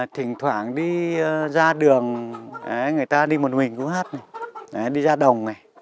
thỉnh thoảng đi ra đường người ta đi một mình cũng hát đi ra đồng này